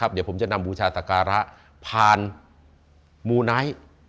เดี๋ยวผมจะนำบูชาศักระผ่านมูไนท์